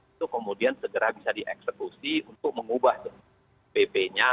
itu kemudian segera bisa dieksekusi untuk mengubah bpnya